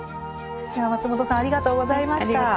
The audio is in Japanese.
松本さんありがとうございました。